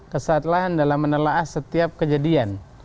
kesalahan dalam menelaah setiap kejadian